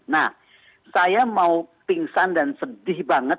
nah saya mau pingsan dan sedih banget